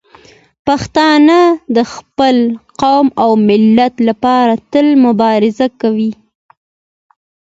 پښتانه د خپل قوم او ملت لپاره تل مبارزه کوي.